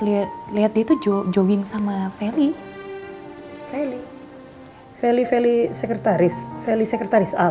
lihat lihat itu jogging sama feli feli feli feli sekretaris feli sekretaris al